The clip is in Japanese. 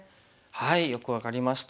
よく分かりました。